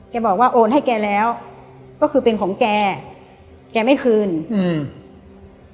บอกว่าโอนให้แกแล้วก็คือเป็นของแกแกไม่คืนอืม